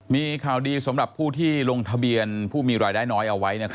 มีข่าวดีสำหรับผู้ที่ลงทะเบียนผู้มีรายได้น้อยเอาไว้